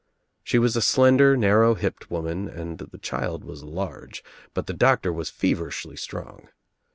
She was a slender narrow hipped woman and the child was large, but the doctor was feverishly strong.